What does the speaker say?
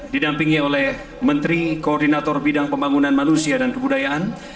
didampingi oleh menteri koordinator bidang pembangunan manusia dan kebudayaan